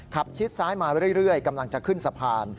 ชิดซ้ายมาเรื่อยกำลังจะขึ้นสะพาน